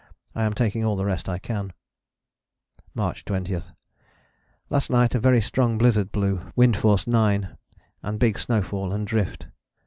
I am taking all the rest I can." "March 20. Last night a very strong blizzard blew, wind force 9 and big snowfall and drift.